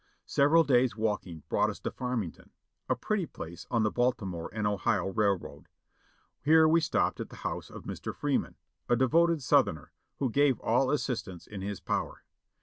Several days' walking brought us to F armington, a pretty place on the Baltimore and Ohio Railroad. Here we stopped at the house of Mr. Freeman, a devoted Southerner, who gave all the assistance in his power.